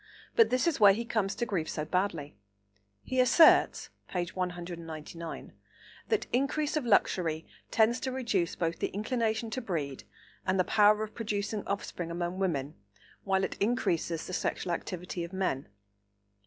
But this is where he comes to grief so badly. He asserts (p. 199) that "increase of luxury tends to reduce both the inclination to breed and the power of producing offspring among women, while it increases the sexual activity of men."